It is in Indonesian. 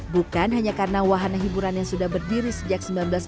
bukan hanya karena wahana hiburan yang sudah berdiri sejak seribu sembilan ratus sembilan puluh